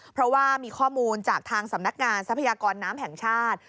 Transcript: เพราะว่ามีข้อมูลจากทางสำนักงานทรัพยากรน้ำแห่งชาติ